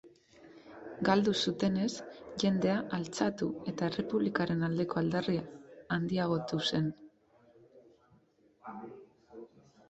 Galdu zutenez jendea altxatu eta errepublikaren aldeko aldarri handiagotu zen.